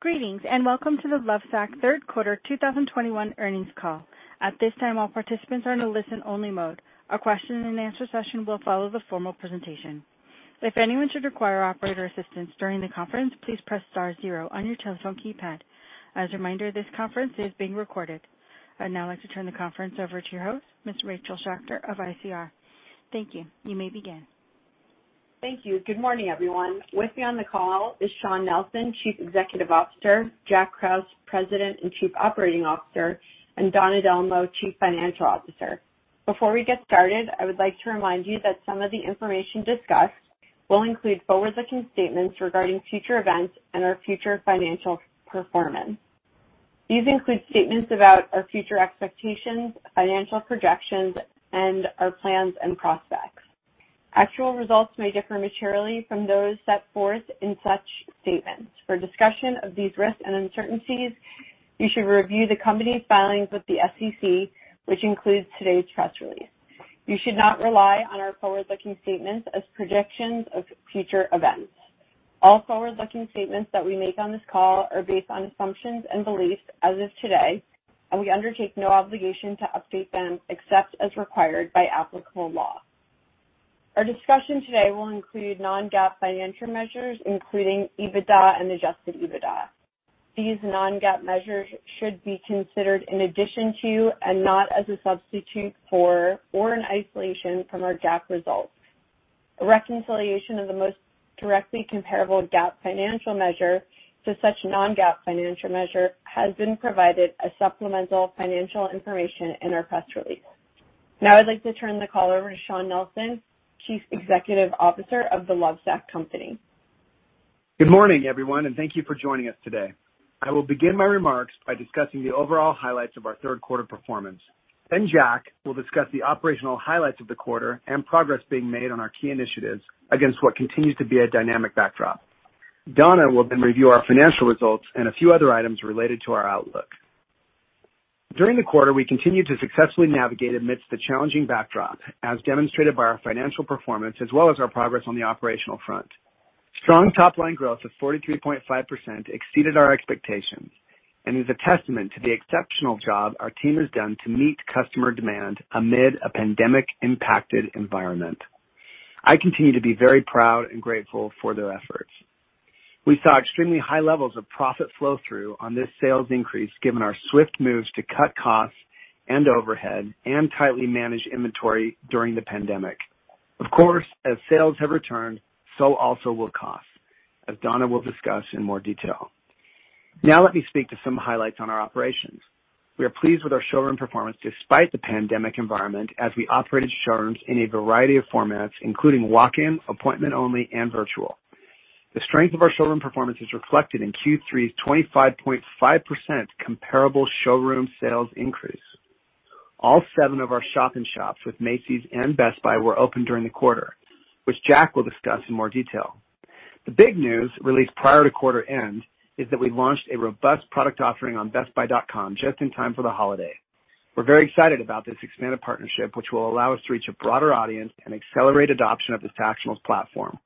Greetings, and welcome to the Lovesac Third Quarter 2021 Earnings Call. At this time, all participants are in a listen-only mode. A question-and-answer session will follow the formal presentation. If anyone should require operator assistance during the conference, please press star zero on your telephone keypad. As a reminder, this conference is being recorded. I'd now like to turn the conference over to your host, Ms. Rachel Schacter of ICR. Thank you. You may begin. Thank you. Good morning, everyone. With me on the call is Shawn Nelson, Chief Executive Officer, Jack Krause, President and Chief Operating Officer, and Donna Dellomo, Chief Financial Officer. Before we get started, I would like to remind you that some of the information discussed will include forward-looking statements regarding future events and our future financial performance. These include statements about our future expectations, financial projections, and our plans and prospects. Actual results may differ materially from those set forth in such statements. For discussion of these risks and uncertainties, you should review the company's filings with the SEC, which includes today's press release. You should not rely on our forward-looking statements as projections of future events. All forward-looking statements that we make on this call are based on assumptions and beliefs as of today, and we undertake no obligation to update them except as required by applicable law. Our discussion today will include non-GAAP financial measures, including EBITDA and adjusted EBITDA. These non-GAAP measures should be considered in addition to and not as a substitute for or an isolation from our GAAP results. A reconciliation of the most directly comparable GAAP financial measure to such non-GAAP financial measure has been provided as supplemental financial information in our press release. Now I'd like to turn the call over to Shawn Nelson, Chief Executive Officer of The Lovesac Company. Good morning, everyone, and thank you for joining us today. I will begin my remarks by discussing the overall highlights of our third quarter performance. Jack will discuss the operational highlights of the quarter and progress being made on our key initiatives against what continues to be a dynamic backdrop. Donna will then review our financial results and a few other items related to our outlook. During the quarter, we continued to successfully navigate amidst the challenging backdrop, as demonstrated by our financial performance as well as our progress on the operational front. Strong top-line growth of 43.5% exceeded our expectations and is a testament to the exceptional job our team has done to meet customer demand amid a pandemic-impacted environment. I continue to be very proud and grateful for their efforts. We saw extremely high levels of profit flow through on this sales increase, given our swift moves to cut costs and overhead and tightly manage inventory during the pandemic. Of course, as sales have returned, so also will costs, as Donna will discuss in more detail. Now let me speak to some highlights on our operations. We are pleased with our showroom performance despite the pandemic environment, as we operated showrooms in a variety of formats, including walk-in, appointment only, and virtual. The strength of our showroom performance is reflected in Q3's 25.5% comparable showroom sales increase. All 7 of our shop in shops with Macy's and Best Buy were open during the quarter, which Jack will discuss in more detail. The big news released prior to quarter end is that we launched a robust product offering on bestbuy.com just in time for the holiday. We're very excited about this expanded partnership, which will allow us to reach a broader audience and accelerate adoption of the Sactionals platform.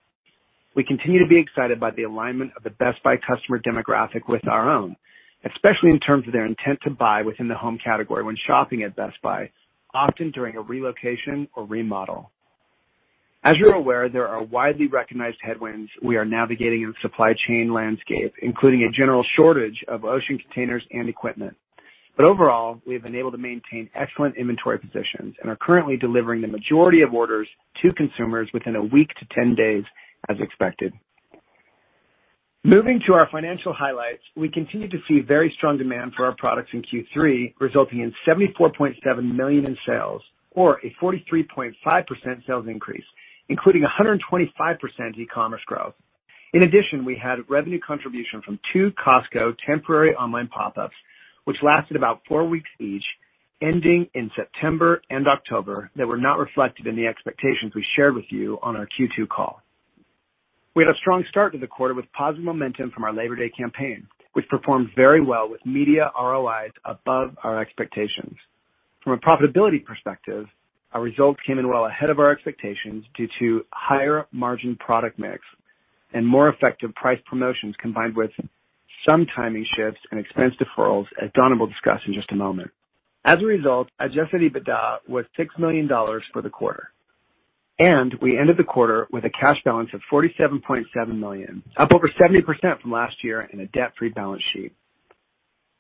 We continue to be excited by the alignment of the Best Buy customer demographic with our own, especially in terms of their intent to buy within the home category when shopping at Best Buy, often during a relocation or remodel. As you're aware, there are widely recognized headwinds we are navigating in supply chain landscape, including a general shortage of ocean containers and equipment. Overall, we have been able to maintain excellent inventory positions and are currently delivering the majority of orders to consumers within a week to 10 days as expected. Moving to our financial highlights, we continue to see very strong demand for our products in Q3, resulting in $74.7 million in sales or a 43.5% sales increase, including 125% e-commerce growth. In addition, we had revenue contribution from 2 Costco temporary online pop-ups, which lasted about 4 weeks each, ending in September and October, that were not reflected in the expectations we shared with you on our Q2 call. We had a strong start to the quarter with positive momentum from our Labor Day campaign, which performed very well with media ROIs above our expectations. From a profitability perspective, our results came in well ahead of our expectations due to higher margin product mix and more effective price promotions, combined with some timing shifts and expense deferrals, as Donna will discuss in just a moment. As a result, adjusted EBITDA was $6 million for the quarter, and we ended the quarter with a cash balance of $47.7 million, up over 70% from last year in a debt-free balance sheet.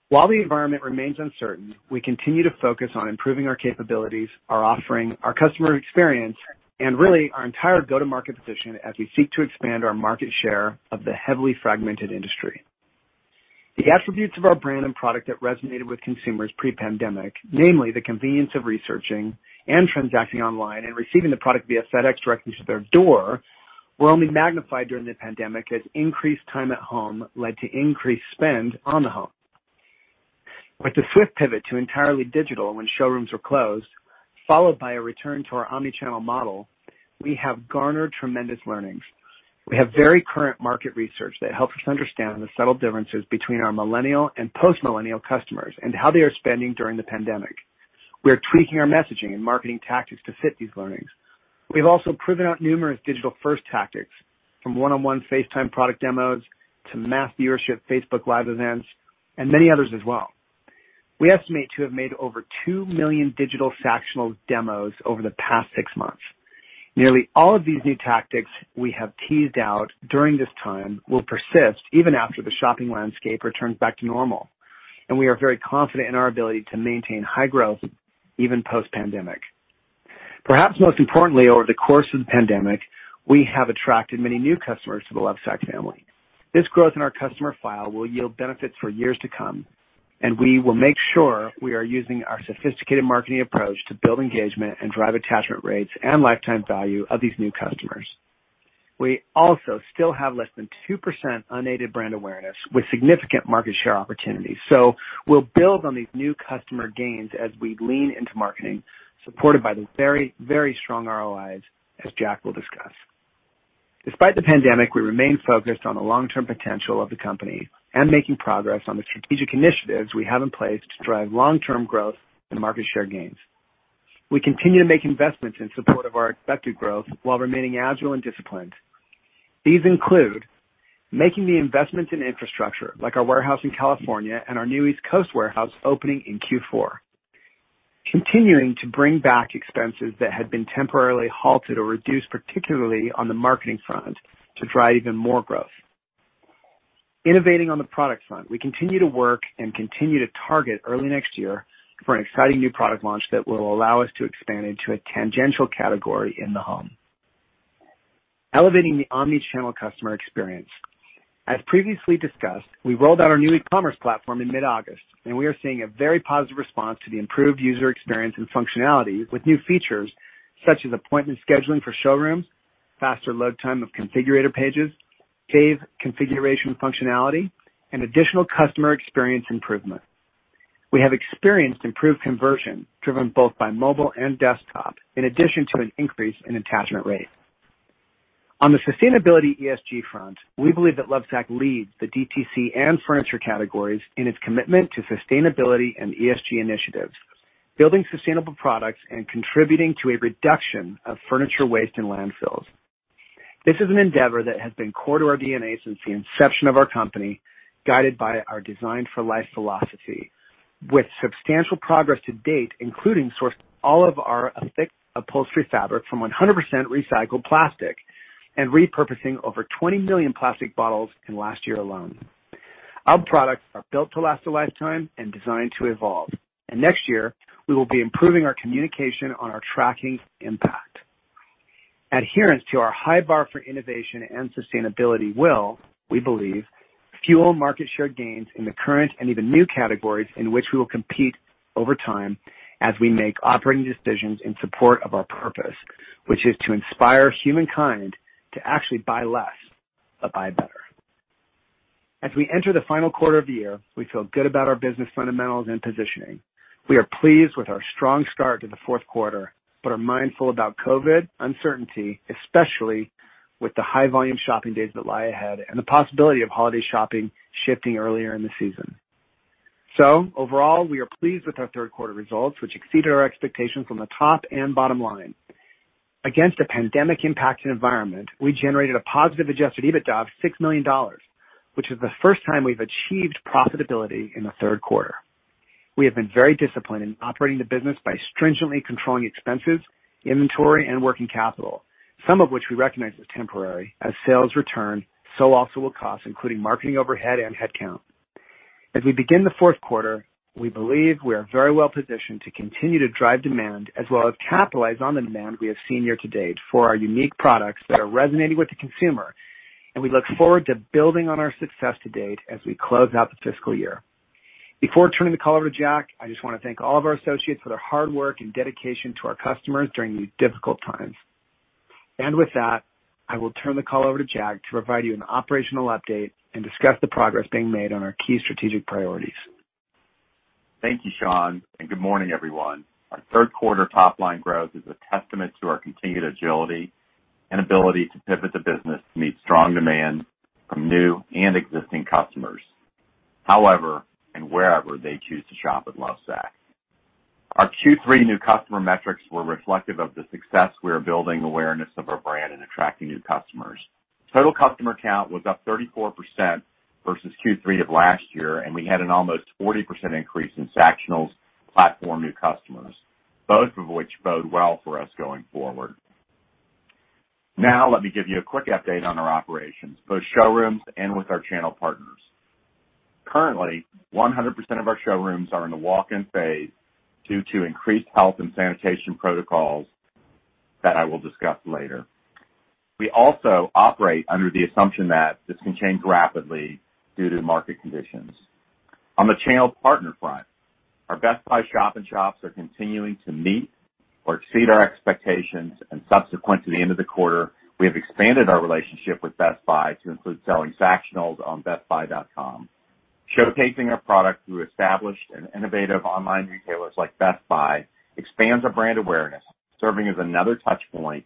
While the environment remains uncertain, we continue to focus on improving our capabilities, our offering, our customer experience, and really our entire go-to-market position as we seek to expand our market share of the heavily fragmented industry. The attributes of our brand and product that resonated with consumers pre-pandemic, namely the convenience of researching and transacting online and receiving the product via FedEx directly to their door, were only magnified during the pandemic as increased time at home led to increased spend on the home. With the swift pivot to entirely digital when showrooms were closed, followed by a return to our omni-channel model, we have garnered tremendous learnings. We have very current market research that helps us understand the subtle differences between our millennial and post-millennial customers and how they are spending during the pandemic. We are tweaking our messaging and marketing tactics to fit these learnings. We've also proven out numerous digital-first tactics, from one-on-one FaceTime product demos to mass viewership Facebook Live events and many others as well. We estimate to have made over 2 million digital Sactionals demos over the past six months. Nearly all of these new tactics we have teased out during this time will persist even after the shopping landscape returns back to normal, and we are very confident in our ability to maintain high growth even post-pandemic. Perhaps most importantly, over the course of the pandemic, we have attracted many new customers to the Lovesac family. This growth in our customer file will yield benefits for years to come, and we will make sure we are using our sophisticated marketing approach to build engagement and drive attachment rates and lifetime value of these new customers. We also still have less than 2% unaided brand awareness with significant market share opportunities. We'll build on these new customer gains as we lean into marketing, supported by the very, very strong ROIs, as Jack will discuss. Despite the pandemic, we remain focused on the long-term potential of the company and making progress on the strategic initiatives we have in place to drive long-term growth and market share gains. We continue to make investments in support of our expected growth while remaining agile and disciplined. These include making the investments in infrastructure, like our warehouse in California and our new East Coast warehouse opening in Q4. Continuing to bring back expenses that had been temporarily halted or reduced, particularly on the marketing front, to drive even more growth. Innovating on the product front. We continue to work and continue to target early next year for an exciting new product launch that will allow us to expand into a tangential category in the home. Elevating the omnichannel customer experience. As previously discussed, we rolled out our new e-commerce platform in mid-August, and we are seeing a very positive response to the improved user experience and functionality with new features such as appointment scheduling for showrooms, faster load time of configurator pages, save configuration functionality, and additional customer experience improvements. We have experienced improved conversion driven both by mobile and desktop, in addition to an increase in attachment rate. On the sustainability ESG front, we believe that Lovesac leads the DTC and furniture categories in its commitment to sustainability and ESG initiatives, building sustainable products and contributing to a reduction of furniture waste in landfills. This is an endeavor that has been core to our DNA since the inception of our company, guided by our Design for Life philosophy, with substantial progress to date, including sourcing all of our thick upholstery fabric from 100% recycled plastic and repurposing over 20 million plastic bottles in last year alone. Our products are built to last a lifetime and designed to evolve. Next year, we will be improving our communication on our tracking impact. Adherence to our high bar for innovation and sustainability will, we believe, fuel market share gains in the current and even new categories in which we will compete over time as we make operating decisions in support of our purpose, which is to inspire humankind to actually buy less but buy better. As we enter the final quarter of the year, we feel good about our business fundamentals and positioning. We are pleased with our strong start to the fourth quarter, but are mindful about COVID uncertainty, especially with the high volume shopping days that lie ahead and the possibility of holiday shopping shifting earlier in the season. Overall, we are pleased with our third quarter results, which exceeded our expectations on the top and bottom line. Against a pandemic-impacted environment, we generated a positive adjusted EBITDA of $6 million, which is the first time we've achieved profitability in the third quarter. We have been very disciplined in operating the business by stringently controlling expenses, inventory, and working capital, some of which we recognize as temporary. As sales return, so also will costs, including marketing overhead and headcount. As we begin the fourth quarter, we believe we are very well positioned to continue to drive demand as well as capitalize on the demand we have seen year to date for our unique products that are resonating with the consumer. We look forward to building on our success to date as we close out the fiscal year. Before turning the call over to Jack, I just wanna thank all of our associates for their hard work and dedication to our customers during these difficult times. With that, I will turn the call over to Jack to provide you an operational update and discuss the progress being made on our key strategic priorities. Thank you, Shawn, and good morning, everyone. Our third quarter top-line growth is a testament to our continued agility and ability to pivot the business to meet strong demand from new and existing customers, however and wherever they choose to shop at Lovesac. Our Q3 new customer metrics were reflective of the success we are building awareness of our brand and attracting new customers. Total customer count was up 34% versus Q3 of last year, and we had an almost 40% increase in Sactionals platform new customers, both of which bode well for us going forward. Now, let me give you a quick update on our operations, both showrooms and with our channel partners. Currently, 100% of our showrooms are in the walk-in phase due to increased health and sanitation protocols that I will discuss later. We also operate under the assumption that this can change rapidly due to market conditions. On the channel partner front, our Best Buy shop and shops are continuing to meet or exceed our expectations, and subsequent to the end of the quarter, we have expanded our relationship with Best Buy to include selling Sactionals on bestbuy.com. Showcasing our product through established and innovative online retailers like Best Buy expands our brand awareness, serving as another touch point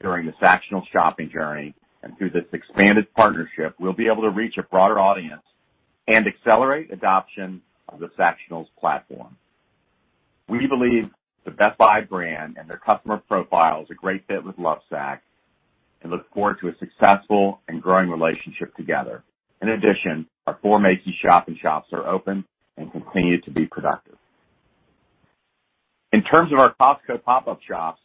during the Sactionals shopping journey. Through this expanded partnership, we'll be able to reach a broader audience and accelerate adoption of the Sactionals platform. We believe the Best Buy brand and their customer profile is a great fit with Lovesac and look forward to a successful and growing relationship together. In addition, our four Macy's shop-in-shops are open and continue to be productive. In terms of our Costco pop-up shops,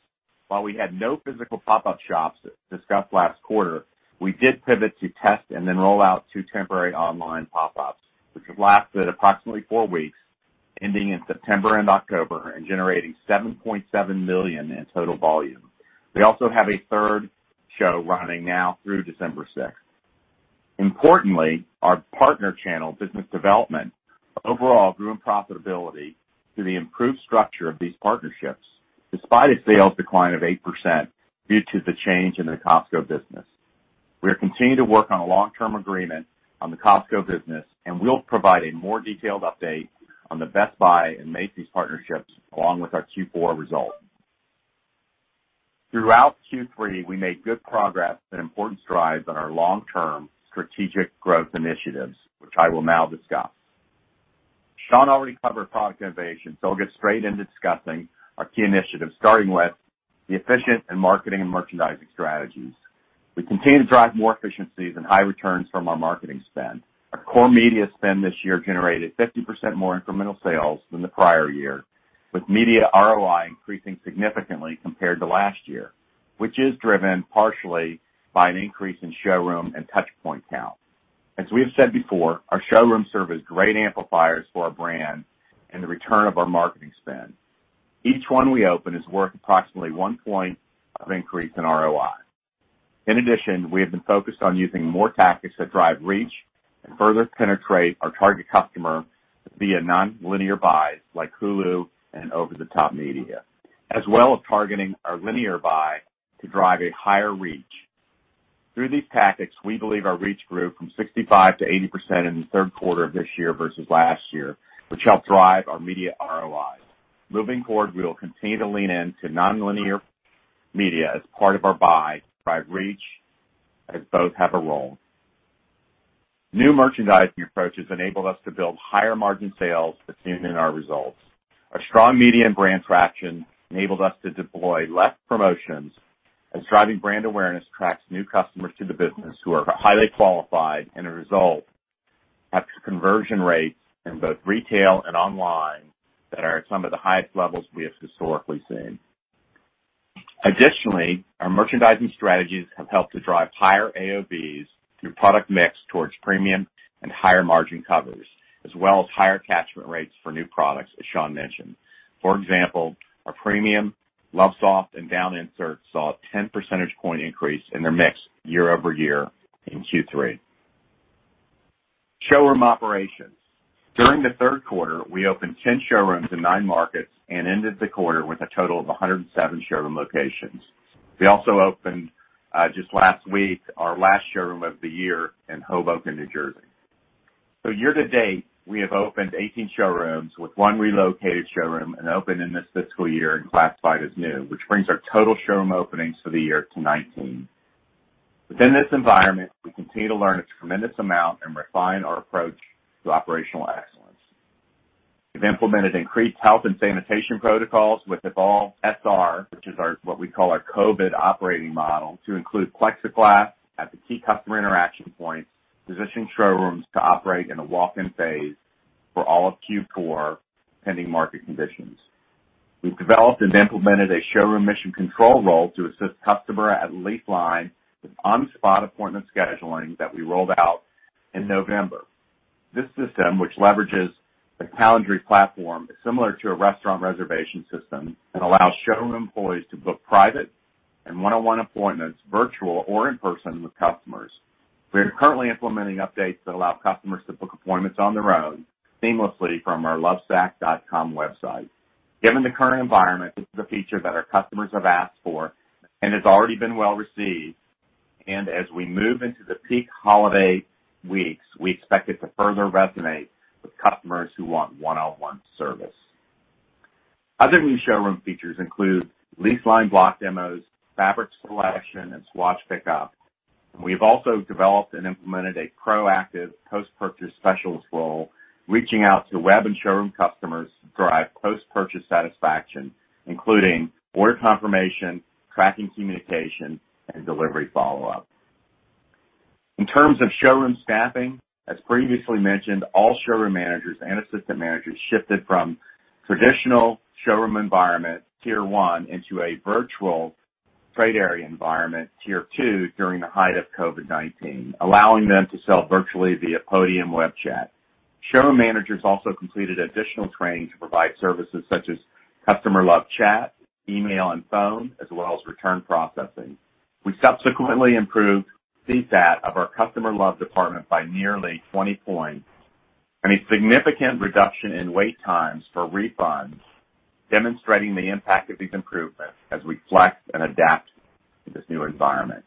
while we had no physical pop-up shops discussed last quarter, we did pivot to test and then roll out 2 temporary online pop-ups, which have lasted approximately 4 weeks, ending in September and October, and generating $7.7 million in total volume. We also have a third shop running now through December 6. Importantly, our partner channel business development overall grew in profitability through the improved structure of these partnerships, despite a sales decline of 8% due to the change in the Costco business. We are continuing to work on a long-term agreement on the Costco business, and we'll provide a more detailed update on the Best Buy and Macy's partnerships along with our Q4 results. Throughout Q3, we made good progress and important strides on our long-term strategic growth initiatives, which I will now discuss. Shawn already covered product innovation, so I'll get straight into discussing our key initiatives, starting with the efficiencies in marketing and merchandising strategies. We continue to drive more efficiencies and high returns from our marketing spend. Our core media spend this year generated 50% more incremental sales than the prior year, with media ROI increasing significantly compared to last year, which is driven partially by an increase in showroom and touchpoint count. As we have said before, our showrooms serve as great amplifiers for our brand and the return on our marketing spend. Each one we open is worth approximately 1 point of increase in ROI. In addition, we have been focused on using more tactics to drive reach and further penetrate our target customer via nonlinear buys like Hulu and over-the-top media, as well as targeting our linear buy to drive a higher reach. Through these tactics, we believe our reach grew from 65%-80% in the third quarter of this year versus last year, which helped drive our media ROI. Moving forward, we will continue to lean into nonlinear media as part of our buy to drive reach, as both have a role. New merchandising approaches enabled us to build higher margin sales that's seen in our results. Our strong media and brand traction enabled us to deploy less promotions as driving brand awareness attracts new customers to the business who are highly qualified and a result have conversion rates in both retail and online that are at some of the highest levels we have historically seen. Additionally, our merchandising strategies have helped to drive higher AOVs through product mix towards premium and higher margin covers, as well as higher catchment rates for new products, as Shawn mentioned. For example, our premium LoveSoft and down insert saw a 10 percentage point increase in their mix year-over-year in Q3. Showroom operations. During the third quarter, we opened 10 showrooms in 9 markets and ended the quarter with a total of 107 showroom locations. We also opened just last week, our last showroom of the year in Hoboken, New Jersey. Year to date, we have opened 18 showrooms with one relocated showroom and opened in this fiscal year and classified as new, which brings our total showroom openings for the year to '19. Within this environment, we continue to learn a tremendous amount and refine our approach to operational excellence. We've implemented increased health and sanitation protocols with Evolve SR, which is our, what we call our COVID operating model, to include plexiglass at the key customer interaction points, positioning showrooms to operate in a walk-in phase for all of Q4, pending market conditions. We've developed and implemented a showroom mission control role to assist customers in line with on-the-spot appointment scheduling that we rolled out in November. This system, which leverages the Calendly platform, is similar to a restaurant reservation system and allows showroom employees to book private and one-on-one appointments, virtual or in person, with customers. We are currently implementing updates that allow customers to book appointments on their own seamlessly from our lovesac.com website. Given the current environment, this is a feature that our customers have asked for and has already been well received. As we move into the peak holiday weeks, we expect it to further resonate with customers who want one-on-one service. Other new showroom features include lease line block demos, fabric selection, and swatch pickup. We've also developed and implemented a proactive post-purchase specialist role, reaching out to web and showroom customers to drive post-purchase satisfaction, including order confirmation, tracking communication, and delivery follow-up. In terms of showroom staffing, as previously mentioned, all showroom managers and assistant managers shifted from traditional showroom environment, Tier 1, into a virtual trade area environment, Tier 2, during the height of COVID-19, allowing them to sell virtually via podium web chat. Showroom managers also completed additional training to provide services such as customer live chat, email and phone, as well as return processing. We subsequently improved CSAT of our customer love department by nearly 20 points and a significant reduction in wait times for refunds, demonstrating the impact of these improvements as we flex and adapt to this new environment.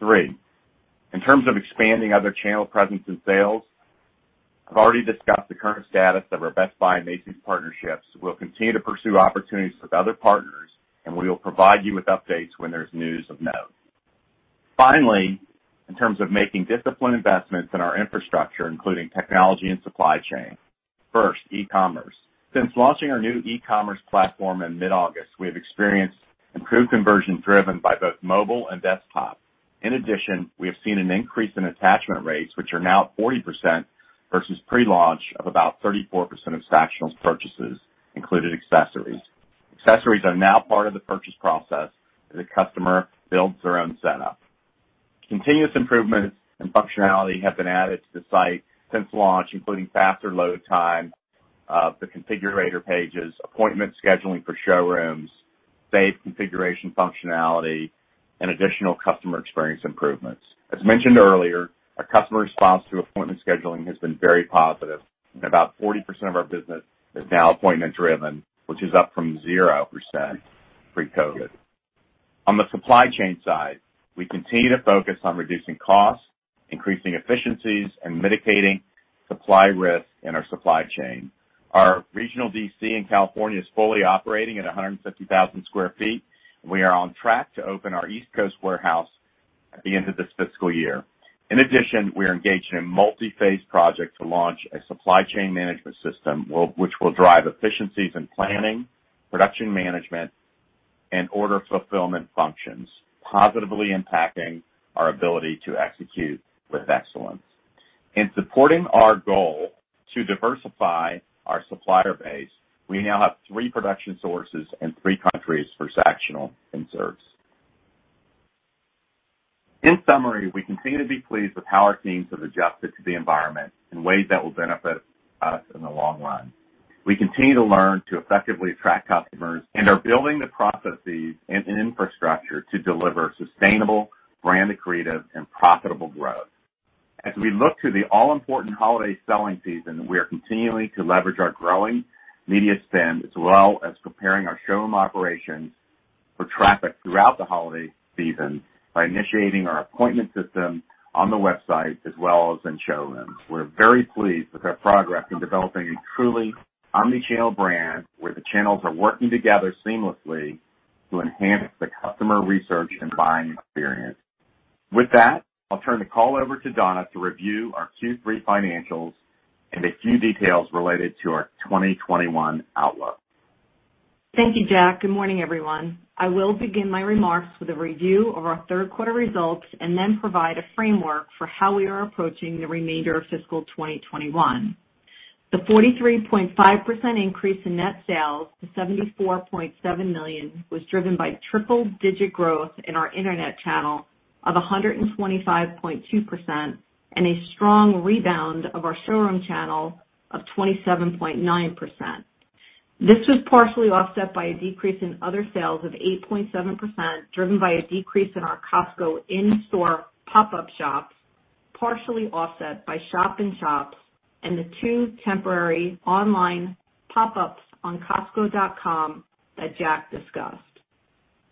Three, in terms of expanding other channel presence and sales, I've already discussed the current status of our Best Buy and Macy's partnerships. We'll continue to pursue opportunities with other partners, and we will provide you with updates when there's news of note. Finally, in terms of making disciplined investments in our infrastructure, including technology and supply chain. First, e-commerce. Since launching our new e-commerce platform in mid-August, we have experienced improved conversion driven by both mobile and desktop. In addition, we have seen an increase in attachment rates, which are now 40% versus pre-launch of about 34% of sectional purchases included accessories. Accessories are now part of the purchase process as the customer builds their own setup. Continuous improvements and functionality have been added to the site since launch, including faster load time of the configurator pages, appointment scheduling for showrooms, save configuration functionality, and additional customer experience improvements. As mentioned earlier, our customer response to appointment scheduling has been very positive, and about 40% of our business is now appointment driven, which is up from 0% pre-COVID-19. On the supply chain side, we continue to focus on reducing costs, increasing efficiencies, and mitigating supply risks in our supply chain. Our regional DC in California is fully operating at 150,000 sq ft. We are on track to open our East Coast warehouse at the end of this fiscal year. In addition, we are engaged in a multi-phase project to launch a supply chain management system which will drive efficiencies in planning, production management, and order fulfillment functions, positively impacting our ability to execute with excellence. In supporting our goal to diversify our supplier base, we now have three production sources in three countries for sectional inserts. In summary, we continue to be pleased with how our teams have adjusted to the environment in ways that will benefit us in the long run. We continue to learn to effectively attract customers and are building the processes and infrastructure to deliver sustainable, brand accretive, and profitable growth. As we look to the all-important holiday selling season, we are continuing to leverage our growing media spend as well as preparing our showroom operations for traffic throughout the holiday season by initiating our appointment system on the website as well as in showrooms. We're very pleased with our progress in developing a truly omni-channel brand where the channels are working together seamlessly to enhance the customer research and buying experience. With that, I'll turn the call over to Donna to review our Q3 financials and a few details related to our 2021 outlook. Thank you, Jack. Good morning, everyone. I will begin my remarks with a review of our third quarter results and then provide a framework for how we are approaching the remainder of fiscal 2021. The 43.5% increase in net sales to $74.7 million was driven by triple-digit growth in our internet channel of 125.2% and a strong rebound of our showroom channel of 27.9%. This was partially offset by a decrease in other sales of 8.7%, driven by a decrease in our Costco in-store pop-up shops, partially offset by shop-in-shops and the 2 temporary online pop-ups on costco.com that Jack discussed.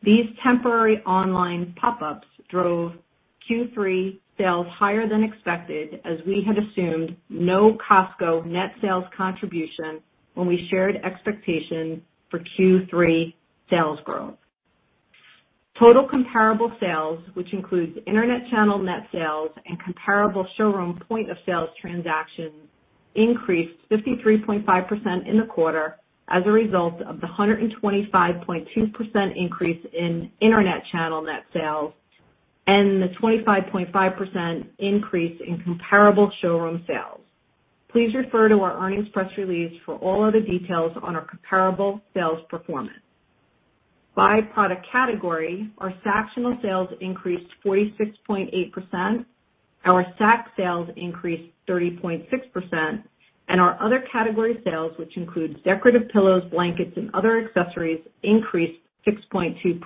These temporary online pop-ups drove Q3 sales higher than expected as we had assumed no Costco net sales contribution when we shared expectations for Q3 sales growth. Total comparable sales, which includes internet channel net sales and comparable showroom point of sales transactions, increased 53.5% in the quarter as a result of the 125.2% increase in internet channel net sales and the 25.5% increase in comparable showroom sales. Please refer to our earnings press release for all other details on our comparable sales performance. By product category, our Sactionals sales increased 46.8%, our Sacs sales increased 30.6%, and our other category sales, which includes decorative pillows, blankets, and other accessories, increased 6.2%.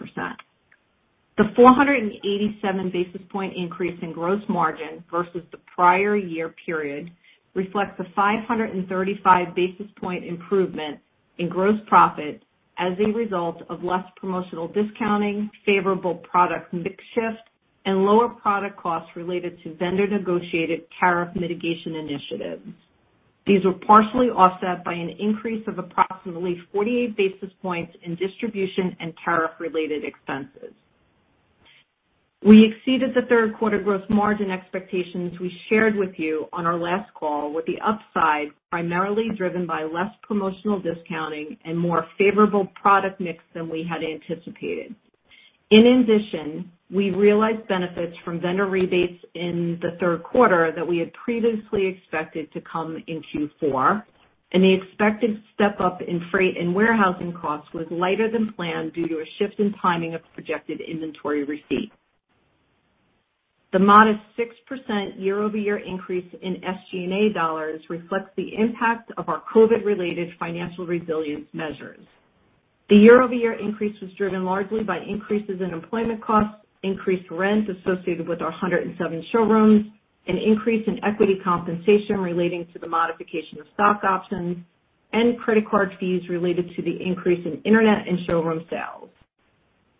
The 487 basis point increase in gross margin versus the prior year period reflects the 535 basis point improvement in gross profit as a result of less promotional discounting, favorable product mix shift, and lower product costs related to vendor-negotiated tariff mitigation initiatives. These were partially offset by an increase of approximately 48 basis points in distribution and tariff-related expenses. We exceeded the third quarter gross margin expectations we shared with you on our last call, with the upside primarily driven by less promotional discounting and more favorable product mix than we had anticipated. In addition, we realized benefits from vendor rebates in the third quarter that we had previously expected to come in Q4, and the expected step-up in freight and warehousing costs was lighter than planned due to a shift in timing of projected inventory receipts. The modest 6% year-over-year increase in SG&A dollars reflects the impact of our COVID-related financial resilience measures. The year-over-year increase was driven largely by increases in employment costs, increased rent associated with our 107 showrooms, an increase in equity compensation relating to the modification of stock options, and credit card fees related to the increase in internet and showroom sales.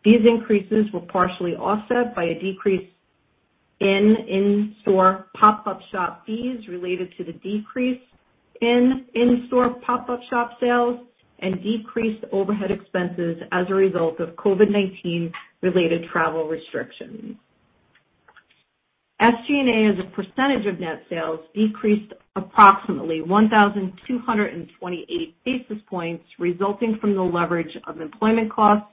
These increases were partially offset by a decrease in in-store pop-up shop fees related to the decrease in in-store pop-up shop sales and decreased overhead expenses as a result of COVID-19 related travel restrictions. SG&A as a percentage of net sales decreased approximately 1,228 basis points, resulting from the leverage of employment costs,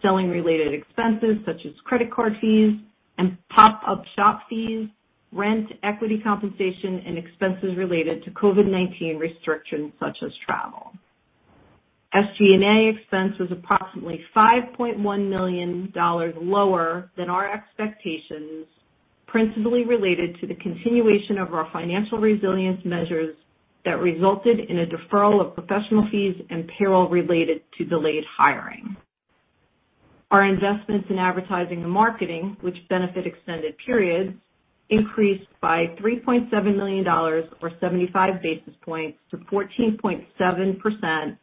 selling-related expenses such as credit card fees and pop-up shop fees, rent, equity compensation, and expenses related to COVID-19 restrictions such as travel. SG&A expense was approximately $5.1 million lower than our expectations, principally related to the continuation of our financial resilience measures that resulted in a deferral of professional fees and payroll related to delayed hiring. Our investments in advertising and marketing, which benefit extended periods, increased by $3.7 million or 75 basis points to 14.7% of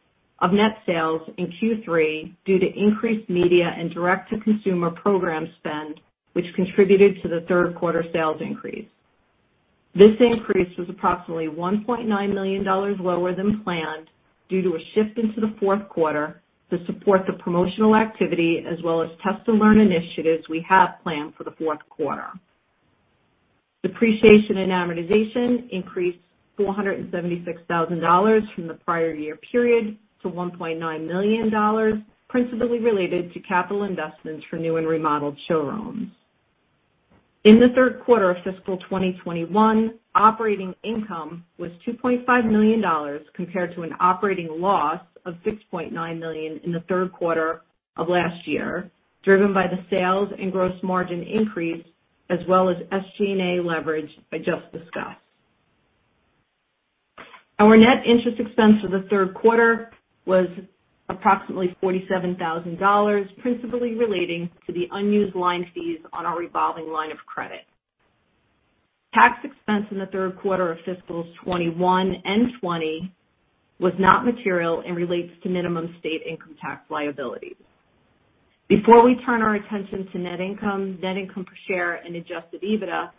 net sales in Q3 due to increased media and direct-to-consumer program spend, which contributed to the third quarter sales increase. This increase was approximately $1.9 million lower than planned due to a shift into the fourth quarter to support the promotional activity as well as test and learn initiatives we have planned for the fourth quarter. Depreciation and amortization increased from $176,000 in the prior year period to $1.9 million, principally related to capital investments for new and remodeled showrooms. In the third quarter of fiscal 2021, operating income was $2.5 million compared to an operating loss of $6.9 million in the third quarter of last year, driven by the sales and gross margin increase as well as SG&A leverage I just discussed. Our net interest expense for the third quarter was approximately $47,000, principally relating to the unused line fees on our revolving line of credit. Tax expense in the third quarter of fiscal 2021 and 2020 was not material and relates to minimum state income tax liability. Before we turn our attention to net income, net income per share, and adjusted EBITDA,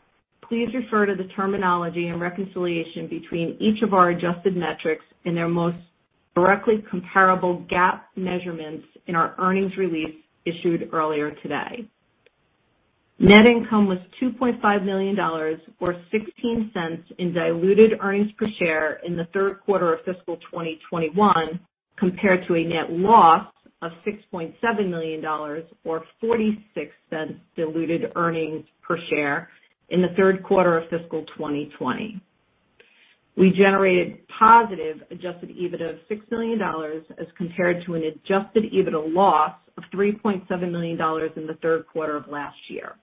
please refer to the terminology and reconciliation between each of our adjusted metrics and their most directly comparable GAAP measurements in our earnings release issued earlier today. Net income was $2.5 million or $0.16 in diluted earnings per share in the third quarter of fiscal 2021 compared to a net loss of $6.7 million or $0.46 diluted earnings per share in the third quarter of fiscal 2020. We generated positive adjusted EBITDA of $6 million as compared to an adjusted EBITDA loss of $3.7 million in the third quarter of last year.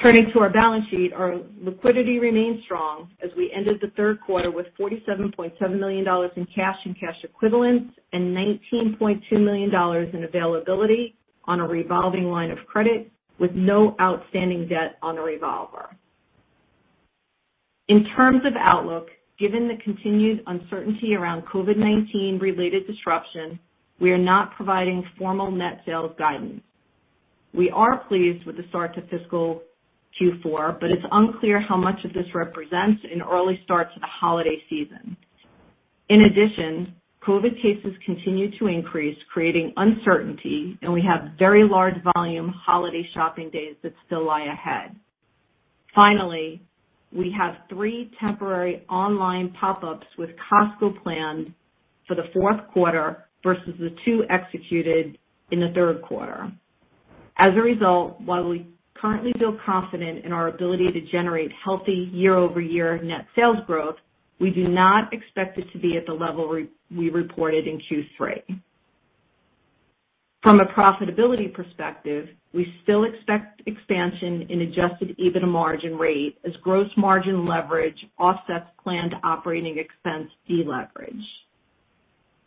Turning to our balance sheet, our liquidity remains strong as we ended the third quarter with $47.7 million in cash and cash equivalents and $19.2 million in availability on a revolving line of credit with no outstanding debt on the revolver. In terms of outlook, given the continued uncertainty around COVID-19 related disruption, we are not providing formal net sales guidance. We are pleased with the start to fiscal Q4, but it's unclear how much of this represents an early start to the holiday season. In addition, COVID cases continue to increase, creating uncertainty, and we have very large volume holiday shopping days that still lie ahead. Finally, we have 3 temporary online pop-ups with Costco planned for the fourth quarter versus the 2 executed in the third quarter. As a result, while we currently feel confident in our ability to generate healthy year-over-year net sales growth, we do not expect it to be at the level we reported in Q3. From a profitability perspective, we still expect expansion in adjusted EBITDA margin rate as gross margin leverage offsets planned operating expense deleverage.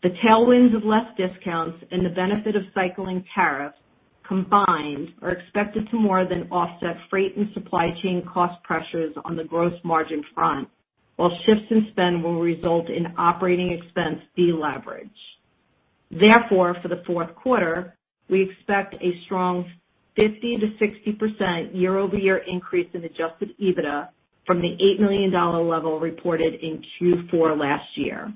The tailwinds of less discounts and the benefit of cycling tariffs combined are expected to more than offset freight and supply chain cost pressures on the gross margin front while shifts in spend will result in operating expense deleverage. Therefore, for the fourth quarter, we expect a strong 50%-60% year-over-year increase in adjusted EBITDA from the $8 million level reported in Q4 last year.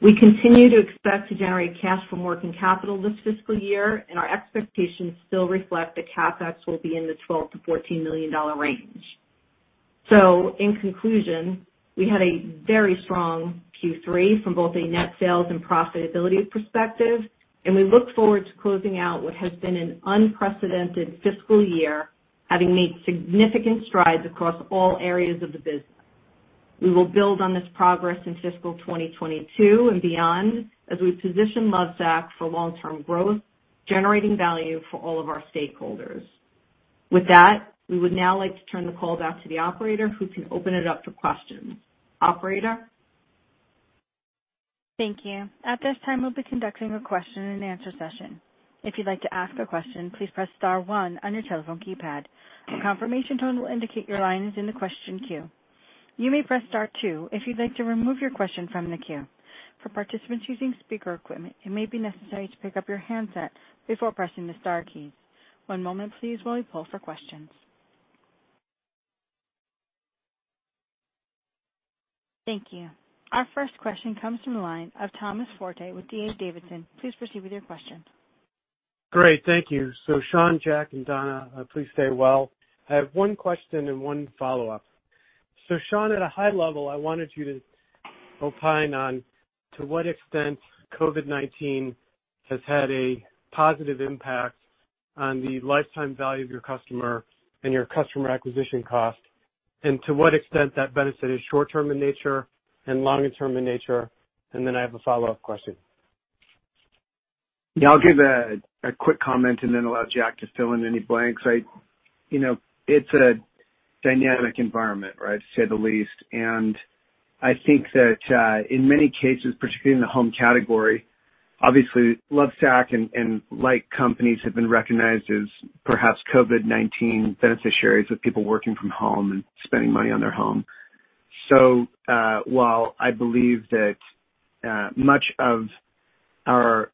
We continue to expect to generate cash from working capital this fiscal year, and our expectations still reflect that CapEx will be in the $12 million to $14 million range. In conclusion, we had a very strong Q3 from both a net sales and profitability perspective, and we look forward to closing out what has been an unprecedented fiscal year, having made significant strides across all areas of the business. We will build on this progress in fiscal 2022 and beyond as we position Lovesac for long-term growth, generating value for all of our stakeholders. With that, we would now like to turn the call back to the operator who can open it up for questions. Operator? Thank you. At this time, we'll be conducting a question-and-answer session. If you'd like to ask a question, please press star one on your telephone keypad. A confirmation tone will indicate your line is in the question queue. Our first question comes from the line of Thomas Forte with D.A. Davidson. Please proceed with your question. Great. Thank you. Shawn, Jack, and Donna, please stay well. I have one question and one follow-up. Shawn, at a high level, I wanted you to opine on to what extent COVID-19 has had a positive impact on the lifetime value of your customer and your customer acquisition cost, and to what extent that benefit is short-term in nature and longer-term in nature. Then I have a follow-up question. I'll give a quick comment and then allow Jack to fill in any blanks. You know, it's a dynamic environment, right, to say the least. I think that in many cases, particularly in the home category, obviously, Lovesac and like companies have been recognized as perhaps COVID-19 beneficiaries with people working from home and spending money on their home. While I believe that much of our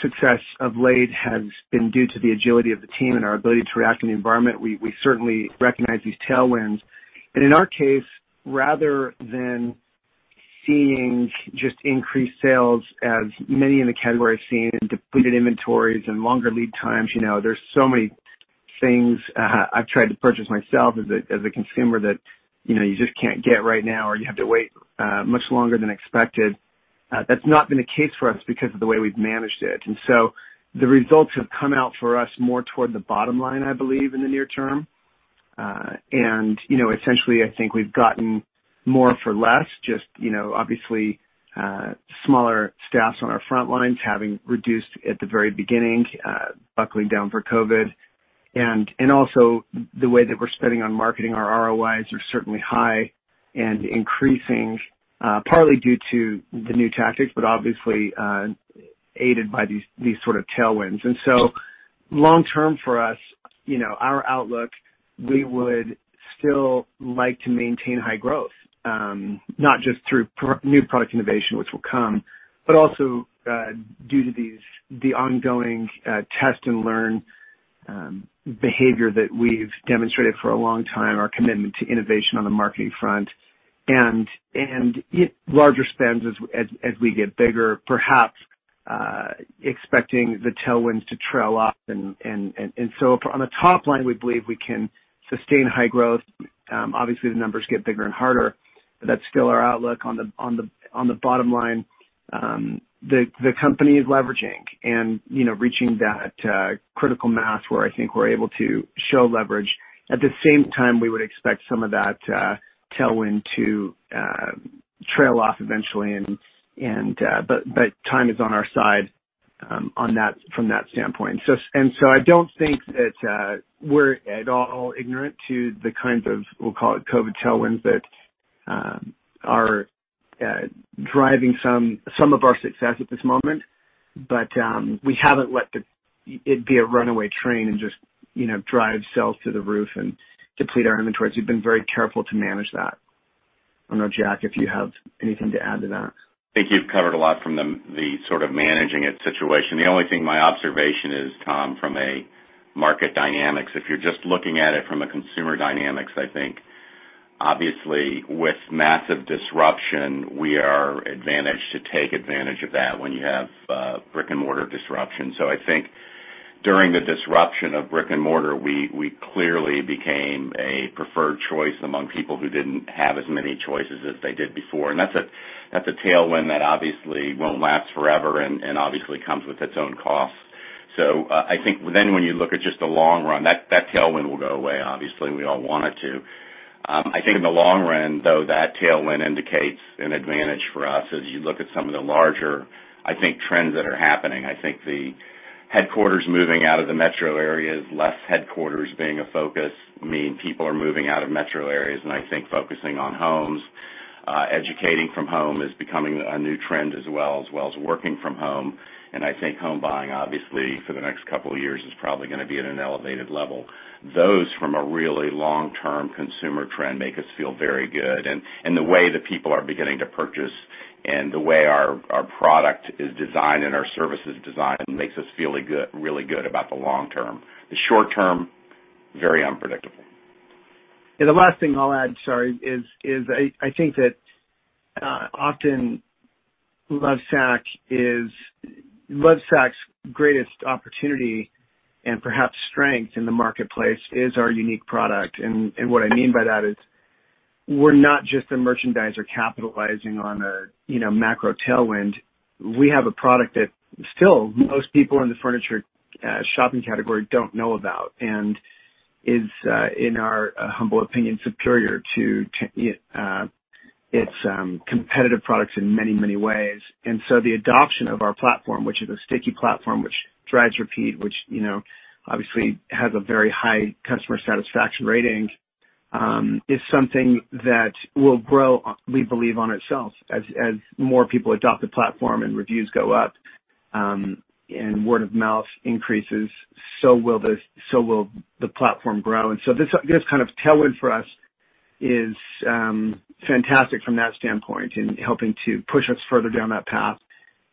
success of late has been due to the agility of the team and our ability to react in the environment, we certainly recognize these tailwinds. In our case, rather than seeing just increased sales, as many in the category have seen, and depleted inventories and longer lead times there's so many things I've tried to purchase myself as a consumer that you just can't get right now or you have to wait much longer than expected. That's not been the case for us because of the way we've managed it. The results have come out for us more toward the bottom line, I believe, in the near term. Essentially, I think we've gotten more for less, just, obviously, smaller staffs on our front lines, having reduced at the very beginning, buckling down for COVID. Also the way that we're spending on marketing, our ROIs are certainly high and increasing, partly due to the new tactics, but obviously, aided by these sort of tailwinds. Long term for us our outlook, we would still like to maintain high growth, not just through new product innovation, which will come, but also, due to the ongoing, test and learn, behavior that we've demonstrated for a long time, our commitment to innovation on the marketing front and larger spends as we get bigger, perhaps, expecting the tailwinds to trail off. On the top line, we believe we can sustain high growth. Obviously, the numbers get bigger and harder, but that's still our outlook. On the bottom line, the company is leveraging and, you know, reaching that critical mass where I think we're able to show leverage. At the same time, we would expect some of that tailwind to trail off eventually, but time is on our side, on that, from that standpoint. I don't think that we're at all ignorant to the kinds of, we'll call it COVID tailwinds, that are driving some of our success at this moment, but we haven't let it be a runaway train and just, you know, drive sales through the roof and deplete our inventories. We've been very careful to manage that. I don't know, Jack, if you have anything to add to that. I think you've covered a lot from the sort of managing it situation. The only thing my observation is, Tom, from a market dynamics, if you're just looking at it from a consumer dynamics, I think obviously with massive disruption, we are advantaged to take advantage of that when you have brick-and-mortar disruption. I think during the disruption of brick-and-mortar, we clearly became a preferred choice among people who didn't have as many choices as they did before. That's a tailwind that obviously won't last forever and obviously comes with its own costs. I think then when you look at just the long run, that tailwind will go away, obviously. We all want it to. I think in the long run, though, that tailwind indicates an advantage for us as you look at some of the larger, I think, trends that are happening. I think the headquarters moving out of the metro areas, less headquarters being a focus mean people are moving out of metro areas, and I think focusing on homes. Educating from home is becoming a new trend as well as working from home. I think home buying, obviously, for the next couple of years is probably gonna be at an elevated level. Those from a really long-term consumer trend make us feel very good. And the way that people are beginning to purchase and the way our product is designed and our service is designed makes us feel really good about the long term. The short term, very unpredictable. The last thing I'll add, sorry, is I think that often Lovesac's greatest opportunity and perhaps strength in the marketplace is our unique product. What I mean by that is we're not just a merchandiser capitalizing on a, you know, macro tailwind. We have a product that still most people in the furniture shopping category don't know about and is, in our humble opinion, superior to its competitive products in many, many ways. The adoption of our platform, which is a sticky platform which drives repeat obviously has a very high customer satisfaction rating, is something that will grow, we believe, on itself as more people adopt the platform and reviews go up. Word of mouth increases, so will the platform grow. This kind of tailwind for us is fantastic from that standpoint in helping to push us further down that path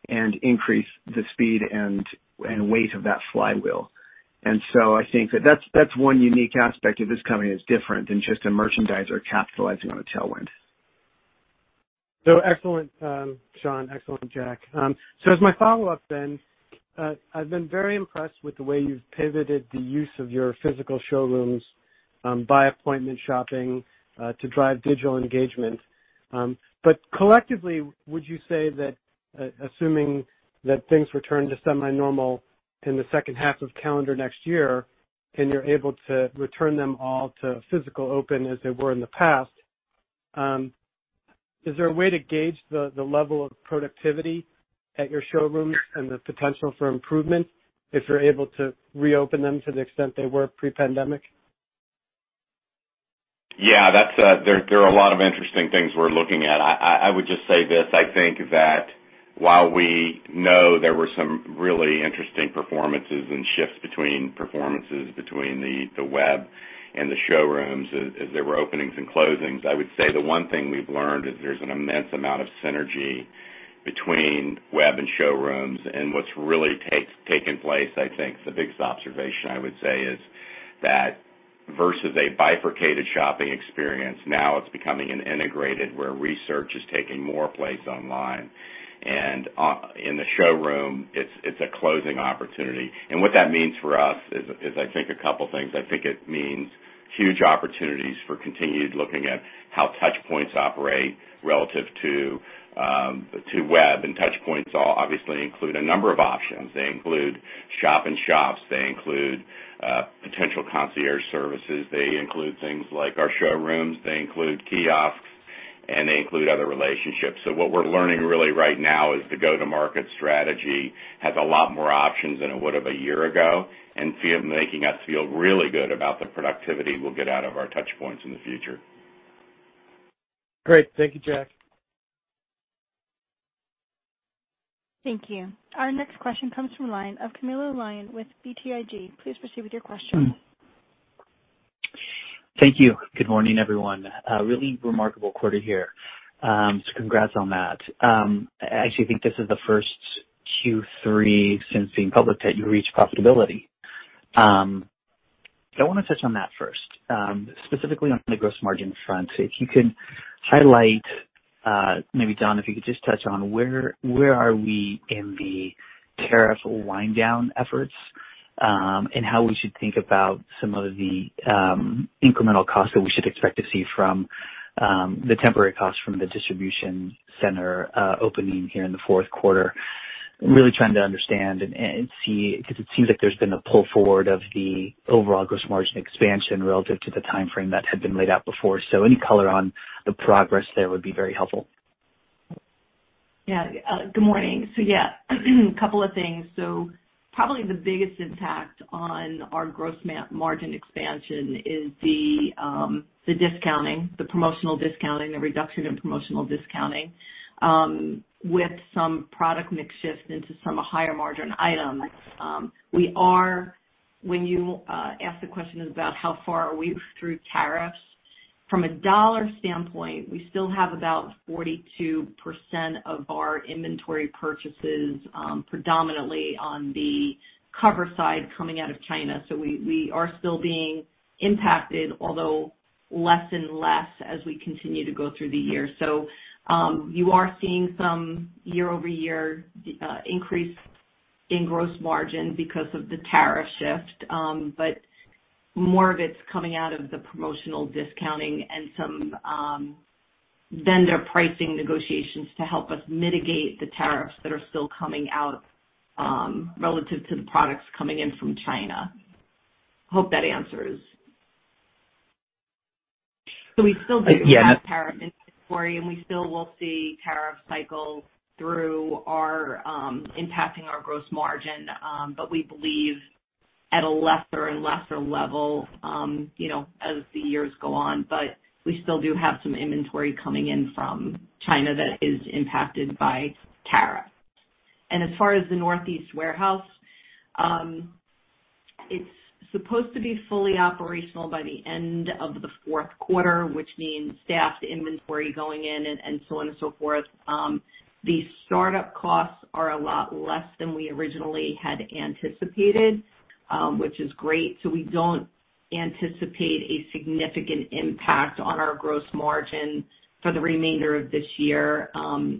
and increase the speed and weight of that flywheel. I think that that's one unique aspect of this company that's different than just a merchandiser capitalizing on a tailwind. Excellent, Shawn. Excellent, Jack. As my follow-up then, I've been very impressed with the way you've pivoted the use of your physical showrooms by appointment shopping to drive digital engagement. Collectively, would you say that assuming that things return to semi-normal in the second half of calendar next year, and you're able to return them all to physically open as they were in the past, is there a way to gauge the level of productivity at your showrooms and the potential for improvement if you're able to reopen them to the extent they were pre-pandemic? That's there are a lot of interesting things we're looking at. I would just say this. I think that while we know there were some really interesting performances and shifts between the web and the showrooms as there were openings and closings, I would say the one thing we've learned is there's an immense amount of synergy between web and showrooms. What's really taken place, I think the biggest observation I would say is that versus a bifurcated shopping experience, now it's becoming an integrated, where research is taking more place online. In the showroom, it's a closing opportunity. What that means for us is I think a couple things. I think it means huge opportunities for continued looking at how touch points operate relative to web. Touch points all obviously include a number of options. They include shop in shops. They include potential concierge services. They include things like our showrooms. They include kiosks, and they include other relationships. What we're learning really right now is the go-to-market strategy has a lot more options than it would've a year ago and feels, making us feel really good about the productivity we'll get out of our touch points in the future. Great. Thank you, Jack. Thank you. Our next question comes from the line of Camilo Lyon with BTIG. Please proceed with your question. Thank you. Good morning, everyone. A really remarkable quarter here. Congrats on that. I actually think this is the first Q3 since being public that you reached profitability. I wanna touch on that first, specifically on the gross margin front. If you could highlight, maybe Donna, if you could just touch on where we are in the tariff wind down efforts, and how we should think about some of the incremental costs that we should expect to see from the temporary costs from the distribution center opening here in the fourth quarter. Really trying to understand and see, 'cause it seems like there's been a pull forward of the overall gross margin expansion relative to the timeframe that had been laid out before. Any color on the progress there would be very helpful. Good morning. Couple of things. Probably the biggest impact on our gross margin expansion is the discounting, the promotional discounting, the reduction in promotional discounting, with some product mix shift into some higher margin items. When you ask the question about how far are we through tariffs, from a dollar standpoint, we still have about 42% of our inventory purchases, predominantly on the cover side coming out of China. We are still being impacted, although less and less as we continue to go through the year. You are seeing some year-over-year increase in gross margin because of the tariff shift. More of it's coming out of the promotional discounting and some vendor pricing negotiations to help us mitigate the tariffs that are still coming out relative to the products coming in from China. Hope that answers. We still do have tariff inventory, and we still will see tariff cycle through our, impacting our gross margin. We believe at a lesser and lesser level, you know, as the years go on. We still do have some inventory coming in from China that is impacted by tariffs. As far as the Northeast warehouse, it's supposed to be fully operational by the end of the fourth quarter, which means staffed inventory going in and so on and so forth. The startup costs are a lot less than we originally had anticipated, which is great. We don't anticipate a significant impact on our gross margin for the remainder of this year,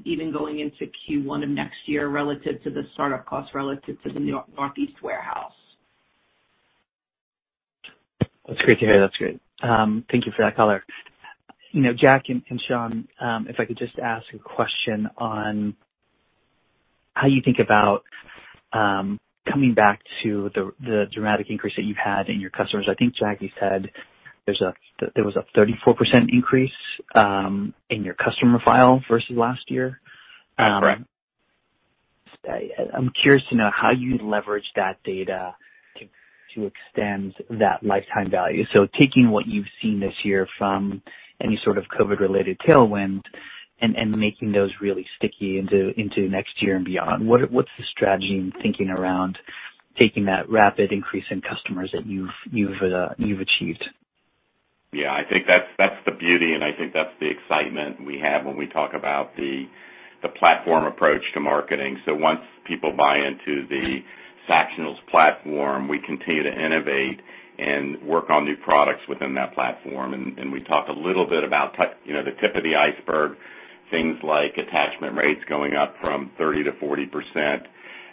even going into Q1 of next year relative to the startup costs relative to the Northeast warehouse. That's great to hear. That's great. Thank you for that color. Jack and Shawn, if I could just ask a question on how you think about coming back to the dramatic increase that you've had in your customers. Jack, you said there was a 34% increase in your customer file versus last year. That's right. I'm curious to know how you leverage that data to extend that lifetime value. Taking what you've seen this year from any sort of COVID-related tailwind and making those really sticky into next year and beyond, what's the strategy and thinking around taking that rapid increase in customers that you've achieved? That's the beauty, and I think that's the excitement we have when we talk about the platform approach to marketing. Once people buy into the Sactionals platform, we continue to innovate and work on new products within that platform. We talked a little bit about you know, the tip of the iceberg, things like attachment rates going up from 30%-40%,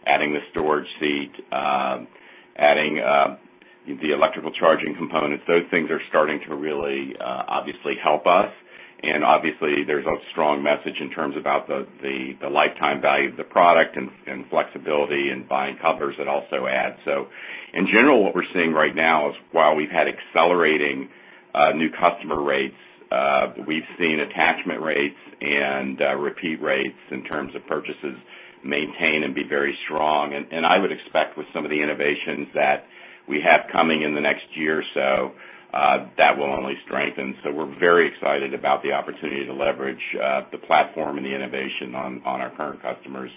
adding the storage seat, adding the electrical charging components. Those things are starting to really obviously help us. Obviously, there's a strong message in terms of the lifetime value of the product and flexibility and buying covers that also add. In general, what we're seeing right now is, while we've had accelerating new customer rates, we've seen attachment rates and repeat rates in terms of purchases maintain and be very strong. I would expect with some of the innovations that we have coming in the next year or so, that will only strengthen. We're very excited about the opportunity to leverage the platform and the innovation on our current customers.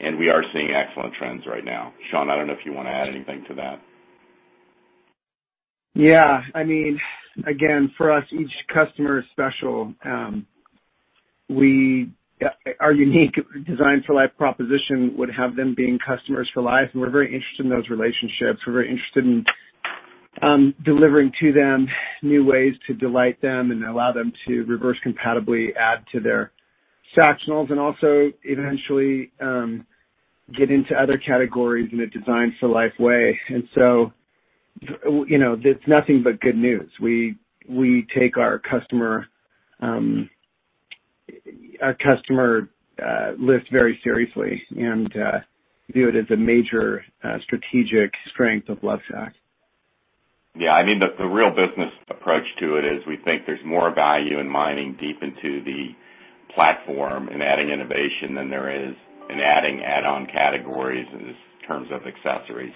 We are seeing excellent trends right now. Shawn, I don't know if you wanna add anything to that. Again, for us, each customer is special. Our unique Design for Life proposition would have them being customers for life, and we're very interested in those relationships. We're very interested in delivering to them new ways to delight them and allow them to reverse compatibly add to their Sactionals, and also eventually get into other categories in a Designed for Life way. You know, it's nothing but good news. We take our customer list very seriously and view it as a major strategic strength of Lovesac. The real business approach to it is we think there's more value in mining deep into the platform and adding innovation than there is in adding add-on categories in terms of accessories.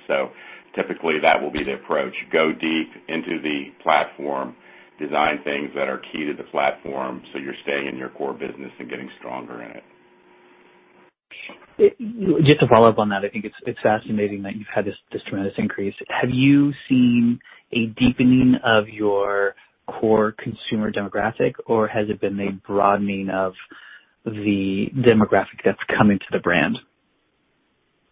Typically, that will be the approach. Go deep into the platform, design things that are key to the platform, so you're staying in your core business and getting stronger in it. Just to follow up on that, I think it's fascinating that you've had this tremendous increase. Have you seen a deepening of your core consumer demographic, or has it been a broadening of the demographic that's coming to the brand?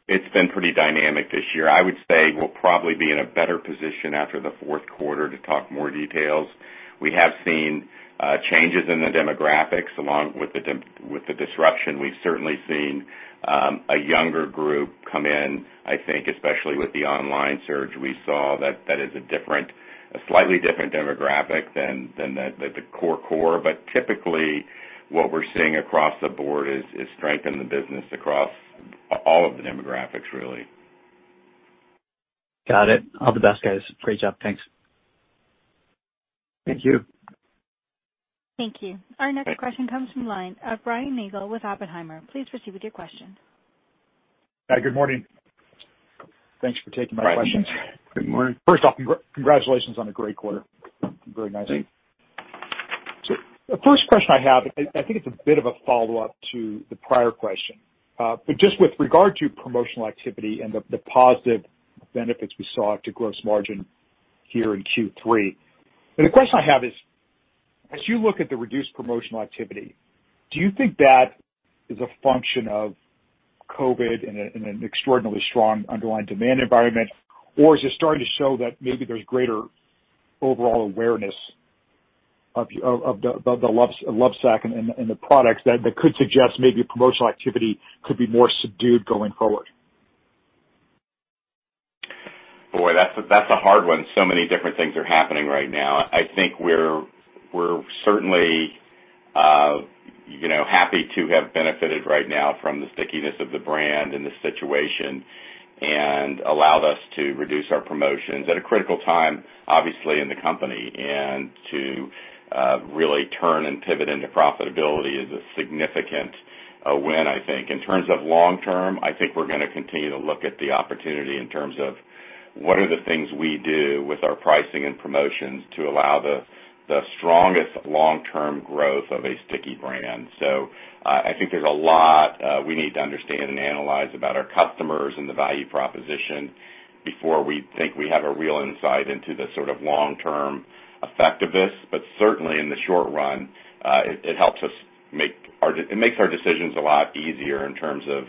It's been pretty dynamic this year. I would say we'll probably be in a better position after the fourth quarter to talk more details. We have seen changes in the demographics. Along with the disruption, we've certainly seen a younger group come in, I think, especially with the online surge we saw, that is a different, a slightly different demographic than the core. Typically, what we're seeing across the board is strength in the business across all of the demographics really. Got it. All the best, guys. Great job. Thanks. Thank you. Thank you. Our next question comes from the line of Brian Nagel with Oppenheimer. Please proceed with your question. Hi, good morning. Thanks for taking my questions. Good morning. First off, congratulations on a great quarter. Very nice. Thank you. The first question I have, I think it's a bit of a follow-up to the prior question. Just with regard to promotional activity and the positive benefits we saw to gross margin here in Q3. The question I have is, as you look at the reduced promotional activity, do you think that is a function of COVID in an extraordinarily strong underlying demand environment, or is it starting to show that maybe there's greater overall awareness of the Lovesac and the products that could suggest maybe promotional activity could be more subdued going forward? Boy, that's a hard one. So many different things are happening right now. I think we're certainly, you know, happy to have benefited right now from the stickiness of the brand and the situation and allowed us to reduce our promotions at a critical time, obviously, in the company. To really turn and pivot into profitability is a significant win, I think. In terms of long term, I think we're gonna continue to look at the opportunity in terms of what are the things we do with our pricing and promotions to allow the strongest long-term growth of a sticky brand. I think there's a lot we need to understand and analyze about our customers and the value proposition before we think we have a real insight into the sort of long-term effect of this. Certainly, in the short run, it makes our decisions a lot easier in terms of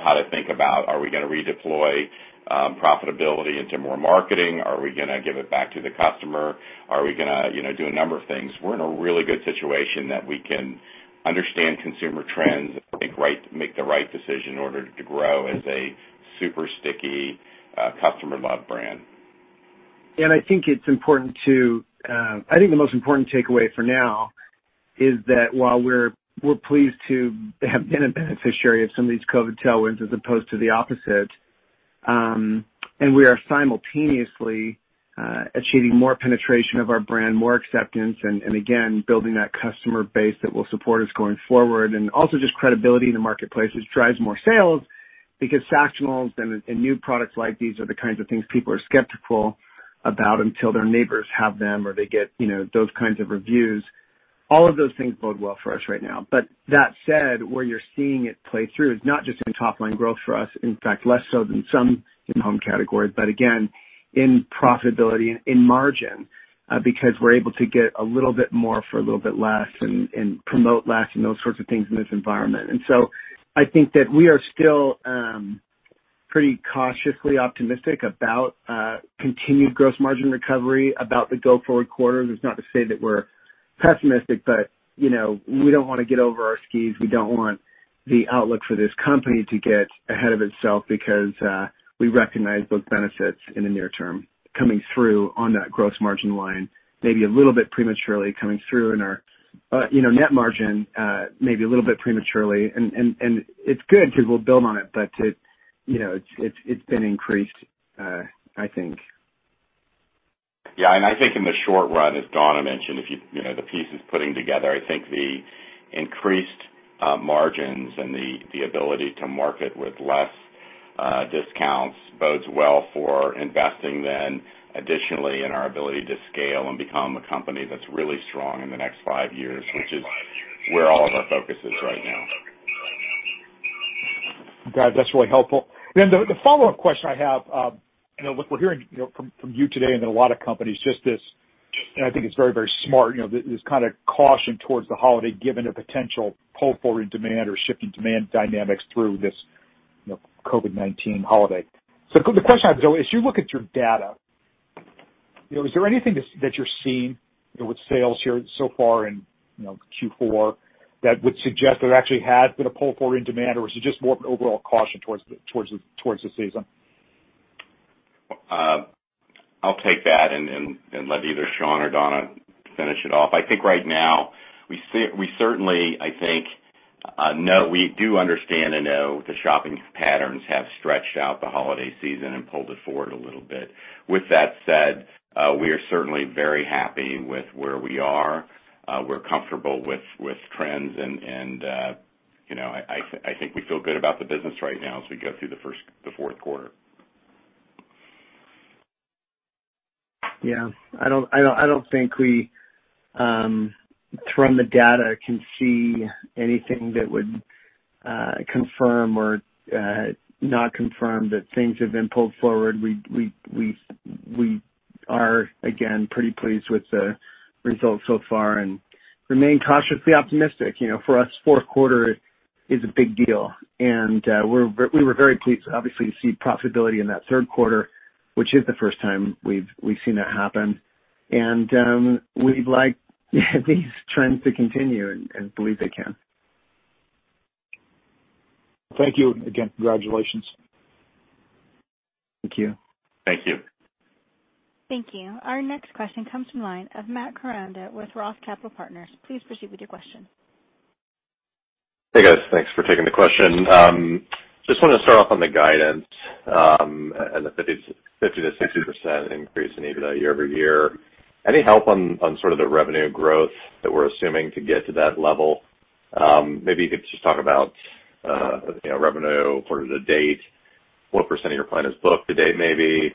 how to think about, are we gonna redeploy profitability into more marketing? Are we gonna give it back to the customer? Are we gonna, you know, do a number of things? We're in a really good situation that we can understand consumer trends, make the right decision in order to grow as a super sticky, customer-loved brand. I think the most important takeaway for now is that while we're pleased to have been a beneficiary of some of these COVID tailwinds as opposed to the opposite, and we are simultaneously achieving more penetration of our brand, more acceptance, and again, building that customer base that will support us going forward and also just credibility in the marketplace just drives more sales because Sactionals and new products like these are the kinds of things people are skeptical about until their neighbors have them or they get, you know, those kinds of reviews. All of those things bode well for us right now. That said, where you're seeing it play through is not just in top line growth for us, in fact, less so than some in home categories, but again, in profitability and in margin, because we're able to get a little bit more for a little bit less and promote less and those sorts of things in this environment. I think that we are still pretty cautiously optimistic about continued gross margin recovery about the go forward quarters. It's not to say that we're pessimistic, but, you know, we don't wanna get over our skis. We don't want the outlook for this company to get ahead of itself because we recognize those benefits in the near term coming through on that gross margin line, maybe a little bit prematurely coming through in our, you know, net margin, maybe a little bit prematurely and it's good because we'll build on it. It, you know, it's been increased, I think. In the short run, as Donna mentioned, if you know, put the pieces together, I think the increased margins and the ability to market with less discounts bodes well for investing and then additionally in our ability to scale and become a company that's really strong in the next five years, which is where all of our focus is right now. Got it. That's really helpful. The follow-up question I have look, we're hearing from you today and a lot of companies just this, and I think it's very, very smart this caution towards the holiday, given the potential pull-forward demand or shifting demand dynamics through this COVID-19 holiday. The question I have though, as you look at your data is there anything that you're seeing with sales here so far in Q4 that would suggest there actually has been a pull forward in demand, or is it just more of an overall caution towards the season? I'll take that and let either Shawn or Donna finish it off. I think right now we certainly, I think, know. We do understand and know the shopping patterns have stretched out the holiday season and pulled it forward a little bit. With that said, we are certainly very happy with where we are. We're comfortable with trends and, you know, I think we feel good about the business right now as we go through the fourth quarter. I don't think we, from the data, can see anything that would confirm or not confirm that things have been pulled forward. We are, again, pretty pleased with the results so far and remain cautiously optimistic. You know, for us, fourth quarter is a big deal. We're very pleased obviously to see profitability in that third quarter, which is the first time we've seen that happen. We'd like these trends to continue and believe they can. Thank you. Again, congratulations. Thank you. Thank you. Thank you. Our next question comes from the line of Matt Koranda with Roth Capital Partners. Please proceed with your question. Hey, guys. Thanks for taking the question. Just wanted to start off on the guidance, and the 50%-60% increase in EBITDA year-over-year. Any help on sort of the revenue growth that we're assuming to get to that level? Maybe you could just talk about, you know, revenue to date, what % of your plan is booked to date maybe,